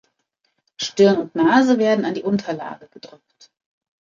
Stirn und Nase werden an die Unterlage gedrückt.